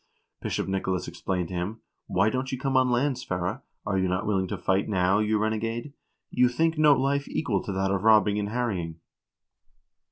Bishop Nicolas exclaimed to him :" Why don't you come on land, Sverre ? Are you not willing to fight now, you renegade ? You think no life equal to that of robbing and harrying.